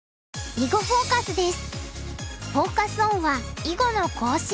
「囲碁フォーカス」です。